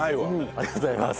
ありがとうございます。